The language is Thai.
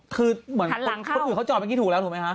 คือเหมือนคนอื่นเขาจอดเมื่อกี้ถูกแล้วถูกไหมคะ